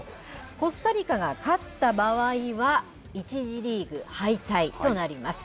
コスタリカが勝った場合は、１次リーグ敗退となります。